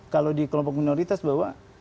kalau di kelompok minoritas bahwa